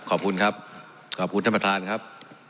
ขอบคุณครับขอบคุณท่านประธานครับ